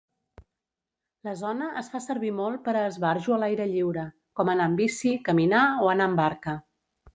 La zona es fa servir molt per a esbarjo a l'aire lliure, com anar en bici, caminar o anar amb barca.